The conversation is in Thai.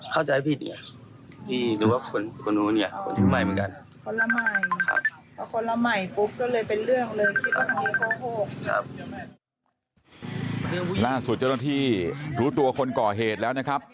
บ้านสุดเหรอที่รู้ตัวคนก่อเหตุแล้วนะครับ